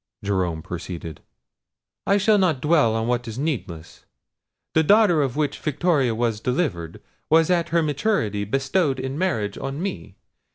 Jerome proceeded. "I shall not dwell on what is needless. The daughter of which Victoria was delivered, was at her maturity bestowed in marriage on me.